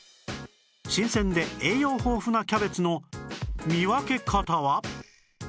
新鮮で栄養豊富なキャベツの見分け方は？